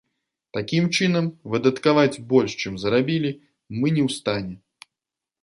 Такім чынам, выдаткаваць больш, чым зарабілі, мы не ў стане.